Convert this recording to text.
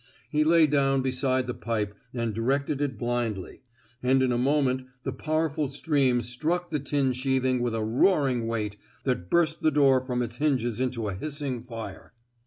He lay down beside the pipe and directed it blindly; and in a moment the powerful stream struck the tin sheathing with a roaring weight that burst the door from its hinges into a hissing fire.